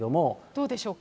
どうでしょうか。